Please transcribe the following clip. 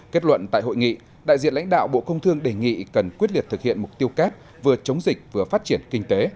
kết luận tại hội nghị đại diện lãnh đạo bộ công thương đề nghị cần quyết liệt thực hiện mục tiêu kép vừa chống dịch vừa phát triển kinh tế